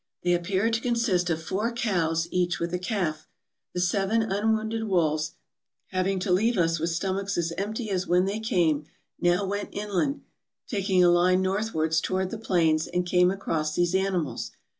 They appeared to consist of four cows, each with a calf. The seven unwounded wolves, having to leave us with stomachs as empty as when they came, now went in land, taking a line northwards towards the plains, and came across these animals.